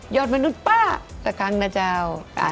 ยกมานุดป้าสักครั้งนะเจ้า